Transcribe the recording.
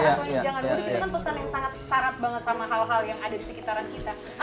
karena tunjangan mudik itu kan pesan yang sangat syarat banget sama hal hal yang ada di sekitaran kita